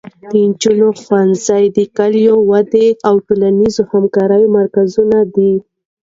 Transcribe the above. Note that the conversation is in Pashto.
د نجونو ښوونځي د کلیوالو ودې او ټولنیزې همکارۍ مرکزونه دي.